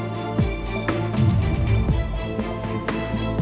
เชื่อมต่อไป